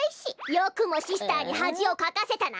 よくもシスターにはじをかかせたな！